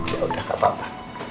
ya udah gak apa apa